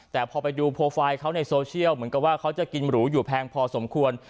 แต่พอไปดูโปรไฟล์เขาในโซเชียลเหมือนกับว่าเขาจะกินหรูอยู่แพงพอสมควร